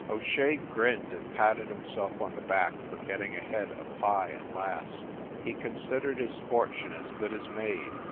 O Shea grinned and patted himself on the back for getting ahead of Pye at last. He considered his fortune as good as made.